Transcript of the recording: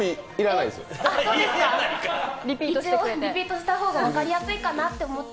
そうですか、リピートした方が分かりやすいかなと思って。